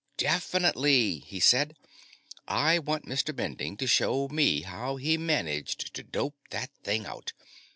"Definitely," he said. "I want Mr. Bending to show me how he managed to dope that thing out.